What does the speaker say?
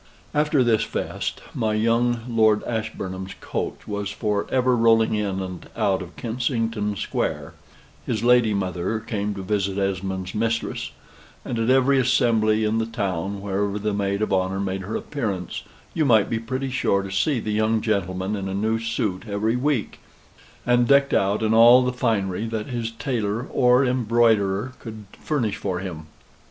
After this feste, my young Lord Ashburnham's coach was for ever rolling in and out of Kensington Square; his lady mother came to visit Esmond's mistress, and at every assembly in the town, wherever the Maid of Honor made her appearance, you might be pretty sure to see the young gentleman in a new suit every week, and decked out in all the finery that his tailor or embroiderer could furnish for him.